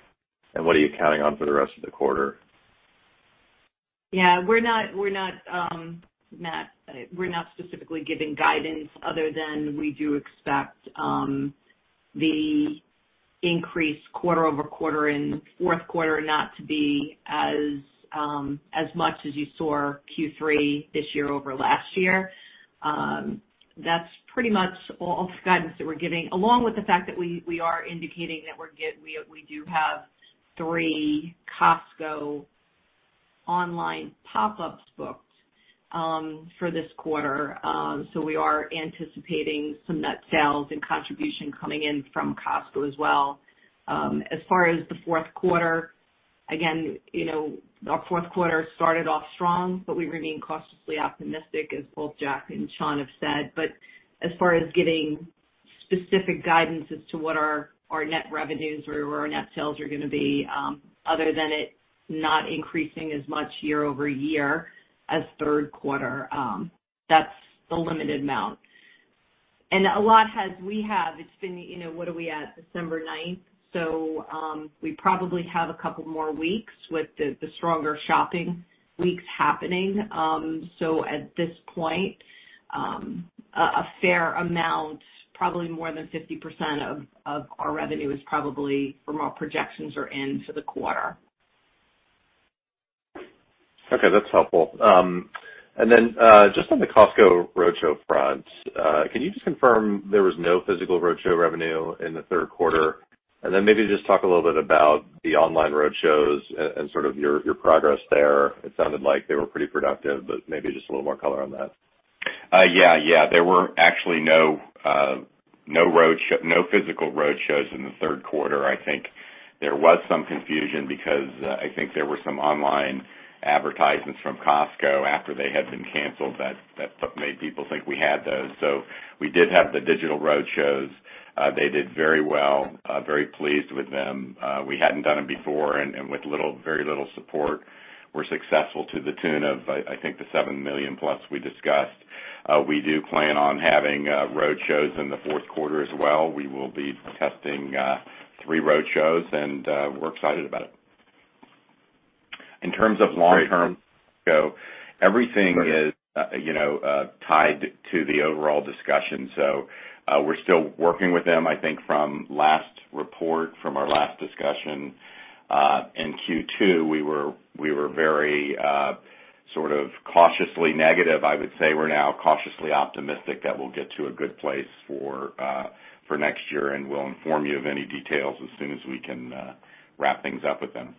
and what are you counting on for the rest of the quarter? We're not specifically giving guidance other than we do expect the increase quarter-over-quarter in fourth quarter not to be as much as you saw Q3 this year over last year. That's pretty much all the guidance that we're giving, along with the fact that we are indicating that we do have 3 Costco online pop-ups booked for this quarter. As far as the fourth quarter, again, you know, our fourth quarter started off strong, but we remain cautiously optimistic, as both Jack and Shawn have said. As far as giving specific guidance as to what our net revenues or our net sales are gonna be, other than it not increasing as much year-over-year as third quarter, that's the limited amount. We have, it's been what are we at? December 9th. We probably have a couple more weeks with the stronger shopping weeks happening. At this point, a fair amount, probably more than 50% of our revenue is probably from our projections are in for the quarter. Okay, that's helpful. Just on the Costco roadshow front, can you just confirm there was no physical roadshow revenue in the third quarter? Maybe just talk a little bit about the online roadshows and sort of your progress there. It sounded like they were pretty productive, but maybe just a little more color on that. There were actually no physical roadshows in the third quarter. I think there was some confusion because I think there were some online advertisements from Costco after they had been canceled that's what made people think we had those. We did have the digital roadshows. They did very well. Very pleased with them. We hadn't done them before, and with very little support, we're successful to the tune of $7 million+ we discussed. We do plan on having roadshows in the fourth quarter as well. We will be testing three roadshows, and we're excited about it. In terms of long-term, everything is, you know, tied to the overall discussion. We're still working with them. I think from last report, from our last discussion, in Q2, we were very sort of cautiously negative. I would say we're now cautiously optimistic that we'll get to a good place for next year, and we'll inform you of any details as soon as we can wrap things up with them.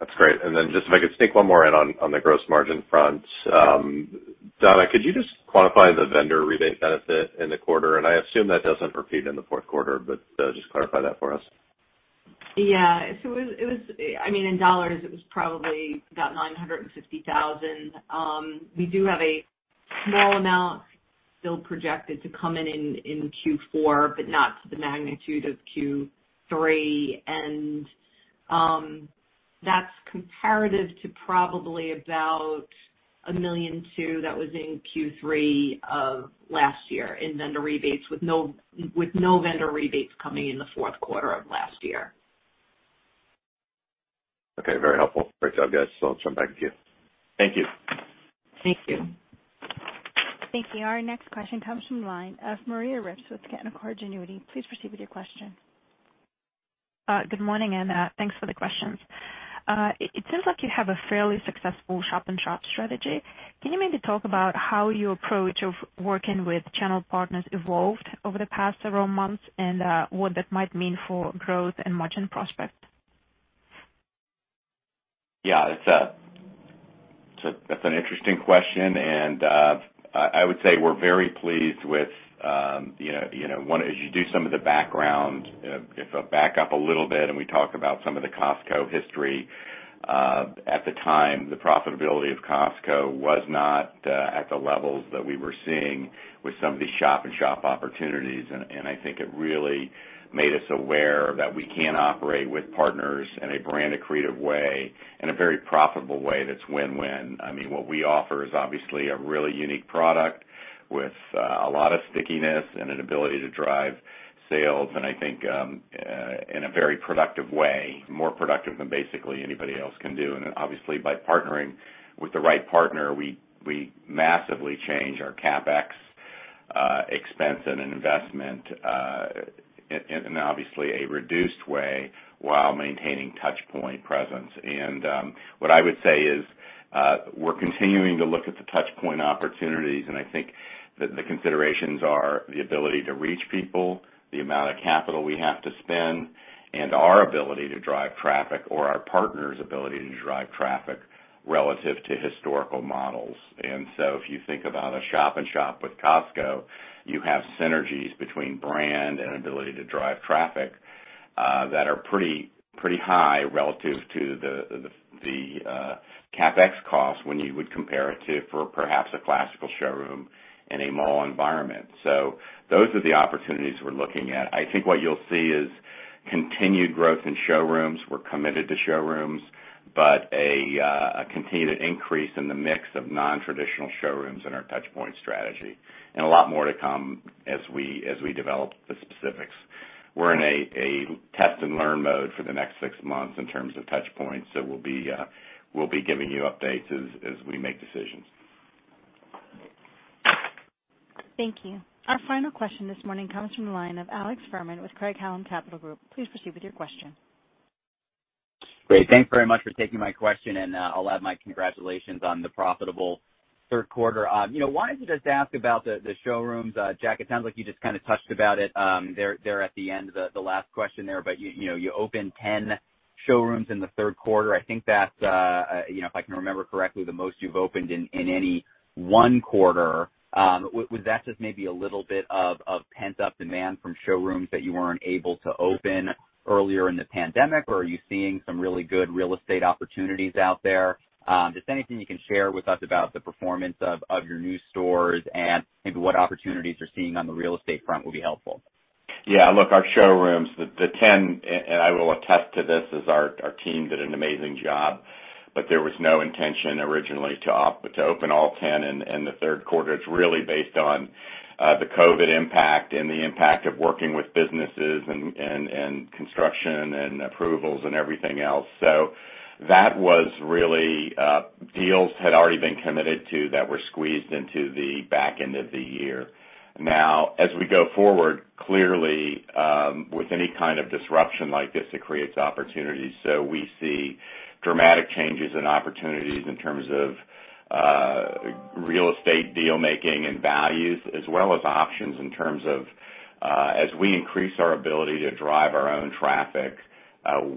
That's great. Just if I could sneak one more in on the gross margin front. Donna, could you just quantify the vendor rebate benefit in the quarter? I assume that doesn't repeat in the fourth quarter, but just clarify that for us. I mean, in dollars, it was probably about $950,000. We do have a small amount still projected to come in in Q4, but not to the magnitude of Q3. That's comparative to probably about $1.2 million that was in Q3 of last year in vendor rebates with no vendor rebates coming in the fourth quarter of last year. Okay. Very helpful. Great job, guys. I'll jump back to you. Thank you. Thank you. Thank you. Our next question comes from the line of Maria Ripps with Canaccord Genuity. Please proceed with your question. Good morning, and thanks for the questions. It seems like you have a fairly successful shop and shop strategy. Can you maybe talk about how your approach of working with channel partners evolved over the past several months and what that might mean for growth and margin prospects? That's an interesting question, and I would say we're very pleased with you know, one, as you do some of the background, you know, if I back up a little bit and we talk about some of the Costco history, at the time, the profitability of Costco was not at the levels that we were seeing with some of these shop-in-shop opportunities. I think it really made us aware that we can operate with partners in a brand accretive way, in a very profitable way that's win-win. I mean, what we offer is obviously a really unique product with a lot of stickiness and an ability to drive sales, and I think in a very productive way, more productive than basically anybody else can do. Then obviously by partnering with the right partner, we massively change our CapEx expense and investment in obviously a reduced way while maintaining touchpoint presence. What I would say is we're continuing to look at the touchpoint opportunities, and I think that the considerations are the ability to reach people, the amount of capital we have to spend, and our ability to drive traffic or our partner's ability to drive traffic relative to historical models. If you think about a shop and shop with Costco, you have synergies between brand and ability to drive traffic that are pretty high relative to the CapEx costs when you would compare it to for perhaps a classical showroom in a mall environment. Those are the opportunities we're looking at. I think what you'll see is continued growth in showrooms. We're committed to showrooms, but a continued increase in the mix of non-traditional showrooms in our touchpoint strategy and a lot more to come as we develop the specifics. We're in a test and learn mode for the next six months in terms of touchpoints, so we'll be giving you updates as we make decisions. Thank you. Our final question this morning comes from the line of Alex Fuhrman with Craig-Hallum Capital Group. Please proceed with your question. Great. Thanks very much for taking my question, and I'll add my congratulations on the profitable third quarter. You know, wanted to just ask about the showrooms. Jack, it sounds like you just touched about it there at the end, the last question there. You opened 10 showrooms in the third quarter. I think that's if I can remember correctly, the most you've opened in any one quarter. Was that just maybe a little bit of pent-up demand from showrooms that you weren't able to open earlier in the pandemic, or are you seeing some really good real estate opportunities out there? Just anything you can share with us about the performance of your new stores and maybe what opportunities you're seeing on the real estate front will be helpful. Look, our showrooms, the 10, and I will attest to this as our team did an amazing job, but there was no intention originally to open all 10 in the third quarter. It's really based on the COVID impact and the impact of working with businesses and construction and approvals and everything else. That was really deals had already been committed to that were squeezed into the back end of the year. Now, as we go forward, clearly, with any kind of disruption like this, it creates opportunities. We see dramatic changes in opportunities in terms of real estate deal-making and values as well as options in terms of as we increase our ability to drive our own traffic,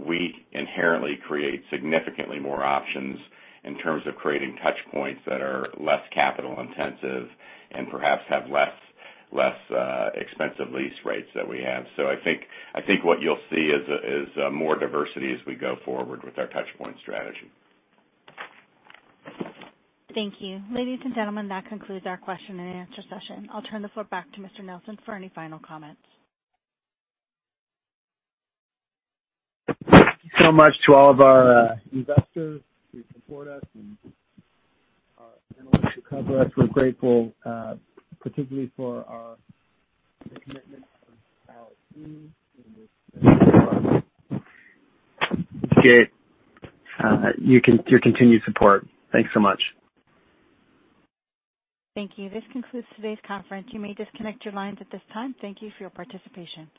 we inherently create significantly more options in terms of creating touchpoints that are less capital intensive and perhaps have less expensive lease rates than we have. I think what you'll see is more diversity as we go forward with our touchpoint strategy. Thank you. Ladies and gentlemen, that concludes our question-and-answer session. I'll turn the floor back to Mr. Nelson for any final comments. Thank you so much to all of our investors who support us and our analysts who cover us. We're grateful, particularly for our commitment to our team and appreciate your continued support. Thanks so much. Thank you. This concludes today's conference. You may disconnect your lines at this time. Thank you for your participation.